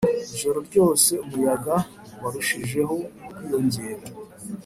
ijoro ryose umuyaga warushijeho kwiyongera